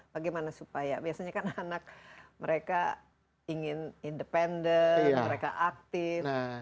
bagaimana supaya biasanya kan anak mereka ingin independen mereka aktif